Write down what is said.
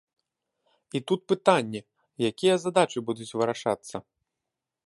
І тут пытанне, якія задачы будуць вырашацца.